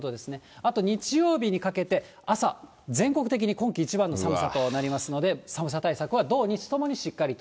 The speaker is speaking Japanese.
あと日曜日にかけて、朝、全国的に今季一番の寒さとなりますので、寒さ対策は土日ともにしっかりと。